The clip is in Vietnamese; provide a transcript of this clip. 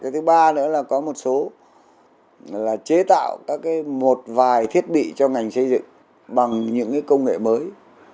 thứ ba nữa là có một số là chế tạo các cái một vài thiết bị cho ngành xây dựng bằng những cái công nghệ mới